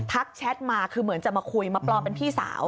แชทมาคือเหมือนจะมาคุยมาปลอมเป็นพี่สาว